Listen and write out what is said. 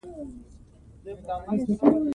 خسرګنۍ د مېړه کورنۍ ته ويل کيږي.